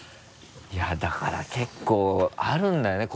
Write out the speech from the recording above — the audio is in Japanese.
いやだから結構あるんだね。